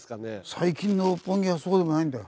最近の六本木はそうでもないんだよ。